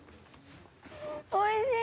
おいしい！